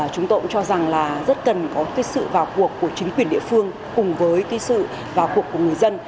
chúng tôi cũng cho rằng là rất cần có sự vào cuộc của chính quyền địa phương cùng với sự vào cuộc của người dân